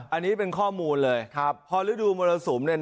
อันนี้เป็นข้อมูลเลยครับพอฤดูมรสุมเนี่ย